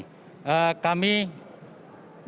kami di wilayah kodam lima barawijaya kita sudah melakukan vaksinasi